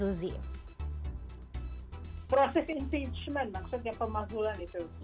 proses impeachment maksudnya pemaksulan itu